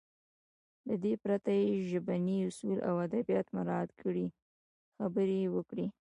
له دې پرته چې ژبني اصول او ادبيات مراعت کړي خبرې يې وکړې.